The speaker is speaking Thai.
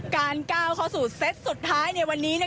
ก้าวเข้าสู่เซตสุดท้ายในวันนี้